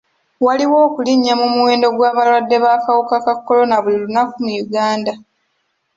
Waliwo okulinnya mu muwendo gw'abalwadde b'akawuka ka kolona buli lunaku mu Uganda.